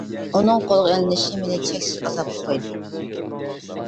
ئۇنىڭ قولغا ئېلىنىشى مېنى چەكسىز ئازابقا قويدى.